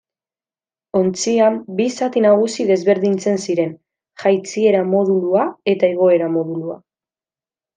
Ontzian bi zati nagusi desberdintzen ziren: jaitsiera-modulua eta igoera-modulua.